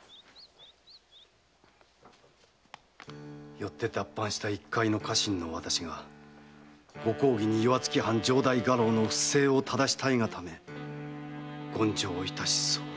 「よって脱藩した一介の家臣の私がご公儀に岩槻藩城代家老の不正を糺したいがため言上いたし候」。